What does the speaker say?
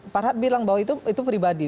farhad bilang bahwa itu pribadi